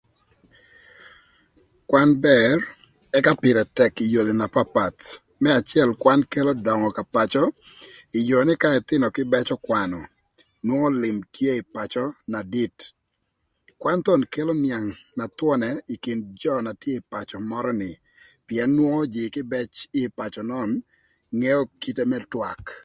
Kwan bër ëka pïrë tëk ï yodhi na papath. Më acël kwan kelo döngö ka pacö ï yoo nï k'ëthïnö kïbëc ökwanö nongo lïm tye ï pacö na dit. Kwan thon kelo nïang na thwönë ï kin jo na tye ï pacö mörö ni pïën nwongo jïï kïbëc ï pacö nön ngeo kite më twak.